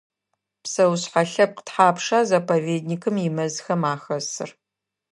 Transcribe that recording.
Псэушъхьэ лъэпкъ тхьапша заповедникым имэзхэм ахэсыр?